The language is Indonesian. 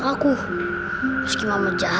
aku melihat fakta